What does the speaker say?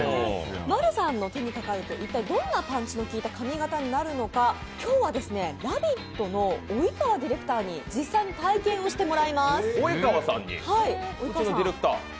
ＭＡＲＵさんの手にかかると一体どんなパンチの効いた髪形になるのか、今日は「ラヴィット！」の及川ディレクターに実際に体験してもらいます。